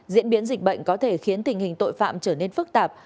diễn biến dịch bệnh có thể khiến tình hình tội phạm trở nên phức tạp